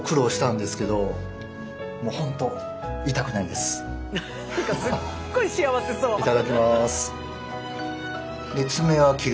すっごい幸せそう。